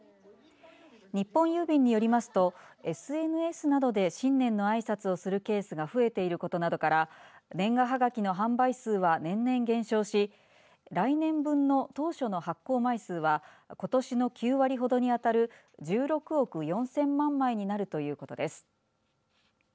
日本郵便によりますとＳＮＳなどで新年のあいさつをするケースが増えていることなどから年賀はがきの販売数は年々減少し来年分の当初の発行枚数はことしの９割ほどにあたる１６億４０００万枚になるということです。